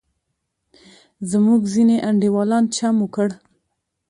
زموږ ځینې انډیوالان چم وکړ.